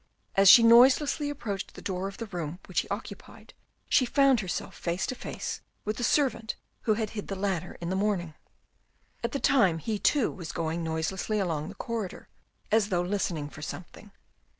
As she noiselessly approached the door of the room which he occupied, she found herself face to face with the servant who had hid the ladder in the morning. At the time he too was going noiselessly along the corridor, as though listening for something.